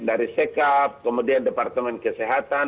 dari sekap kemudian departemen kesehatan